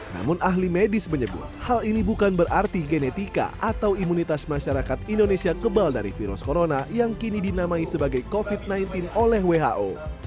namun ahli medis menyebut hal ini bukan berarti genetika atau imunitas masyarakat indonesia kebal dari virus corona yang kini dinamai sebagai covid sembilan belas oleh who